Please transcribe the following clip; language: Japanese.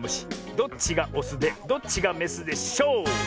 どっちがオスでどっちがメスでしょう？